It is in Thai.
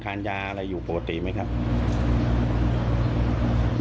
เป็นเรื่องอะไรครับผม